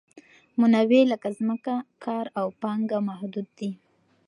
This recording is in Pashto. منابع لکه ځمکه، کار او پانګه محدود دي.